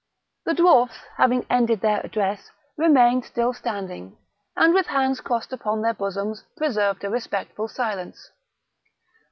The dwarfs, having ended their address, remained still standing, and, with hands crossed upon their bosoms, preserved a respectful silence.